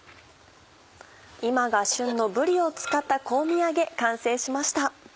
今が旬のぶりを使った香味揚げ完成しました。